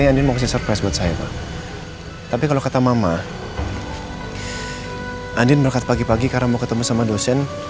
andin berangkat pagi pagi karena mau ketemu sama dosen